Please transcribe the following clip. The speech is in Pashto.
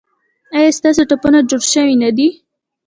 ایا ستاسو ټپونه جوړ شوي نه دي؟